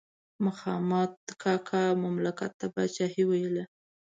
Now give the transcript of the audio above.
مخامد کاکا مملکت ته پاچاهي ویله.